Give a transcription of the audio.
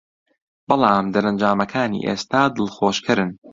بەڵام دەرەنجامەکانی ئێستا دڵخۆشکەرن